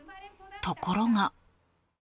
ところが。